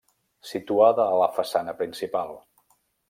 Situada a la façana principal.